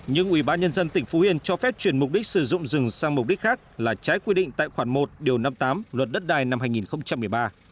nhưng ubnd tỉnh phú yên cho phép chuyển mục đích sử dụng rừng sang mục đích khác là trái quy định tại khoản một điều năm mươi tám luật đất đai năm hai nghìn một mươi ba